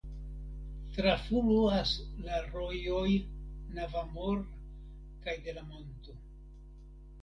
Trafluas la rojoj Navamor kaj de la Monto.